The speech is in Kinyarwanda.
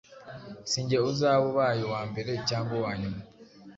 Si nge uzaba ubaye uwa mbere cyangwa uwa nyuma